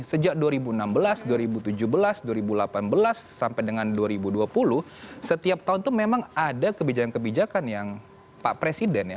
sejak dua ribu enam belas dua ribu tujuh belas dua ribu delapan belas sampai dengan dua ribu dua puluh setiap tahun itu memang ada kebijakan kebijakan yang pak presiden ya